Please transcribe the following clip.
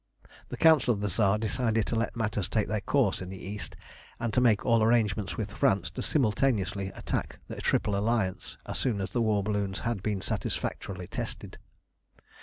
The Council of the Tsar decided to let matters take their course in the East, and to make all arrangements with France to simultaneously attack the Triple Alliance as soon as the war balloons had been satisfactorily tested.